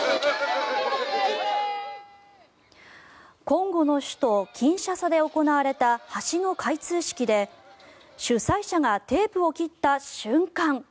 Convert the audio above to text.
コンゴの首都キンシャサで行われた橋の開通式で主催者がテープを切った瞬間